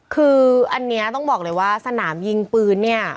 คืออันนี้ต้องบอกเลยว่าสนามยิงปืนเนี่ย